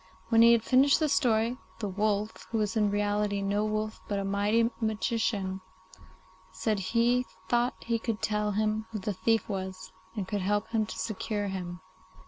When he had finished his story, the wolf, who was in reality no wolf but a mighty magician, said he thought he could tell him who the thief was, and could help him to secure him.